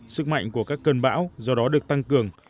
sức mạnh của các cơn bão do đó được tăng cường